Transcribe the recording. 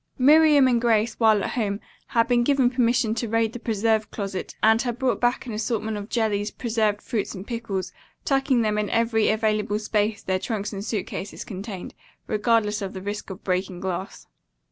Miriam and Grace, while at home, had been given permission to raid the preserve closet and had brought back an assortment of jellies, preserved fruits and pickles, tucking them in every available space their trunks and suit cases contained, regardless of the risk of breaking glass.